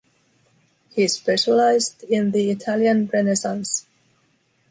He specialized in the Italian Renaissance.